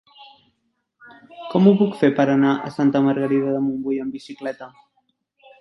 Com ho puc fer per anar a Santa Margarida de Montbui amb bicicleta?